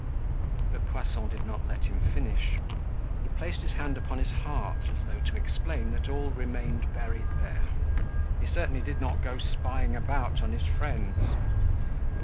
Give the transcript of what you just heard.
But Poisson did not let him finish. He placed his hand upon his heart, as though to explain that all remained buried there. He certainly did not go spying about on his friends.